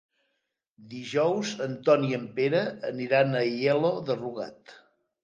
Dijous en Ton i en Pere aniran a Aielo de Rugat.